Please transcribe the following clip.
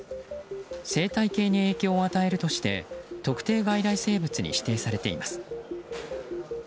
生態系に影響を与えるとして特定外来生物に指定されています。